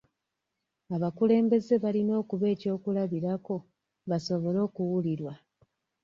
Abakulembeze balina okuba eky'okulabirako basobole okuwulirwa.